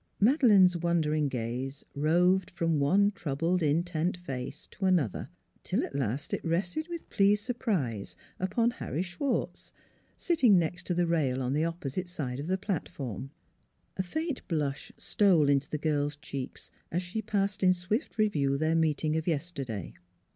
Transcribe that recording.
Madeleine's wondering gaze roved from one troubled, intent face to another, till at last it 258 NEIGHBORS rested with pleased surprise upon Harry Schwartz, sitting next to the rail on the opposite side of the platform. A faint blush stole into the girl's cheeks as she passed in swift review their meeting of yesterday.